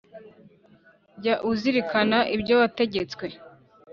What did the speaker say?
Jya uzirikana ibyo wategetswe